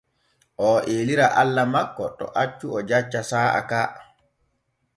Oo eelira Allah makko to accu o jacca saa’a ka.